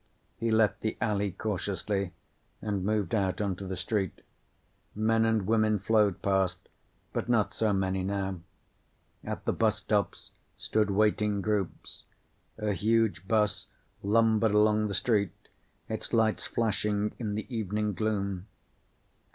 He left the alley cautiously and moved out onto the street. Men and women flowed past, but not so many, now. At the bus stops stood waiting groups. A huge bus lumbered along the street, its lights flashing in the evening gloom.